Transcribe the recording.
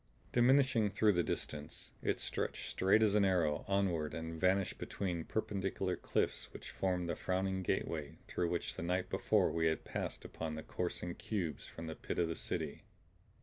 Diminishing through the distance, it stretched straight as an arrow onward and vanished between perpendicular cliffs which formed the frowning gateway through which the night before we had passed upon the coursing cubes from the pit of the city.